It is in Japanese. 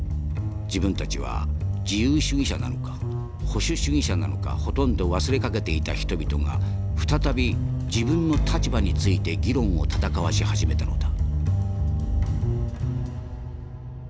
自分たちは自由主義者なのか保守主義者なのかほとんど忘れかけていた人々が再び自分の立場について議論を闘わし始めたのだ」。